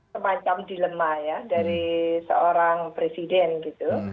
semacam dilema ya dari seorang presiden gitu